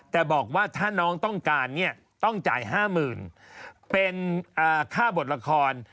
แต่บอกว่าถ้าน้องต้องการเนี่ยต้องจ่าย๕๐๐๐เป็นค่าบทละคร